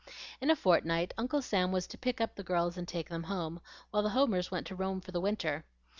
In a fortnight Uncle Sam was to pick up the girls and take them home, while the Homers went to Rome for the winter.